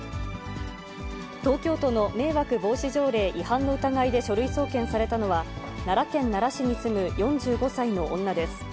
東京都の迷惑防止条例違反の疑いで書類送検されたのは、奈良県奈良市に住む４５歳の女です。